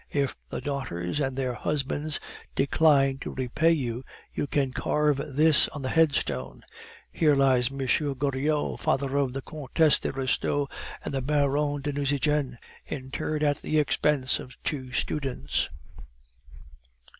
If the daughters and their husbands decline to repay you, you can carve this on the headstone '_Here lies M. Goriot, father of the Comtesse de Restaud and the Baronne de Nucingen, interred at the expense of two students_.